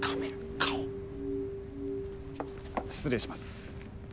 失礼します。